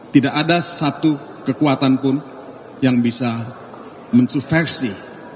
tidak ada satu kekuatan pun yang bisa mensubversi